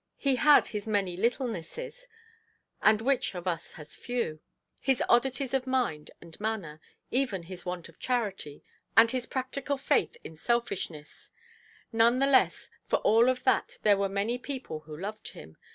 He had his many littlenesses—and which of us has few?—his oddities of mind and manner, even his want of charity, and his practical faith in selfishness; none the less for all of that there were many people who loved him.